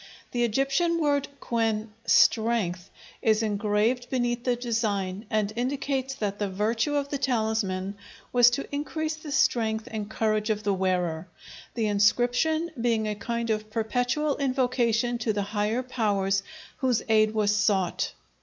The Egyptian word quen, "strength," is engraved beneath the design and indicates that the virtue of the talisman was to increase the strength and courage of the wearer, the inscription being a kind of perpetual invocation to the higher powers whose aid was sought.